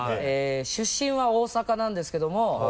出身は大阪なんですけども。